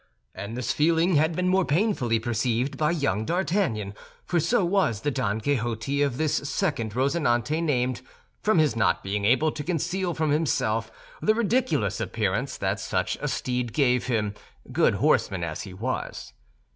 And this feeling had been more painfully perceived by young D'Artagnan—for so was the Don Quixote of this second Rosinante named—from his not being able to conceal from himself the ridiculous appearance that such a steed gave him, good horseman as he was.